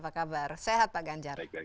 apa kabar sehat pak ganjar